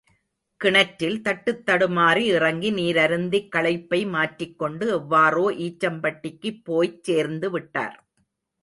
கிணற்றில் தட்டுத்தடுமாறி இறங்கி நீரருந்திக் களைப்பை மாற்றிக்கொண்டு, எவ்வாறோ ஈச்சம்பட்டிக்குப் போய்ச் சேர்ந்துவிட்டார்.